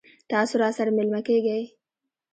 تاسو راسره میلمه کیږئ؟